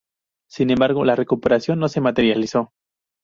Sin embargo, la recuperación no se materializó.